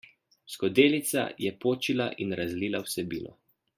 Skodelica je počila in razlila vsebino.